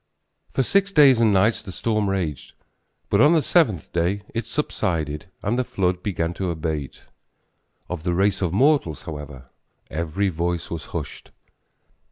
For six days and nights the storm raged, but on the seventh day it subsided and the flood began to abate. Of the race of mortals, however, every voice was hushed.